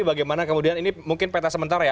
bagaimana kemudian ini mungkin peta sementara ya